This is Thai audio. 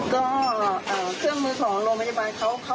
ก็เครื่องมือของโรงพยาบาลเขา